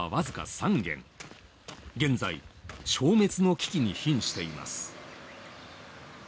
現在消滅の危機に瀕しています。